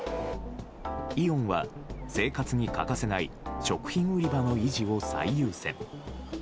イオンは生活に欠かせない食品売り場の維持を最優先。